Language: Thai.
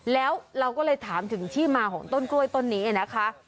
แล้วเราก็เลยถามถึงที่มาของต้นกล้วยต้นนี้นะคะ